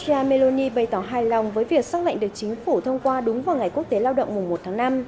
gram meloni bày tỏ hài lòng với việc xác lệnh được chính phủ thông qua đúng vào ngày quốc tế lao động mùa một tháng năm